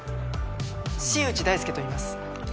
新内大輔といいます。